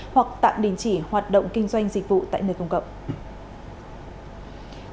hoặc tạm đình chỉ hoạt động kinh doanh dịch vụ tại nơi công cộng